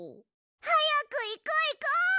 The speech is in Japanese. はやくいこういこう！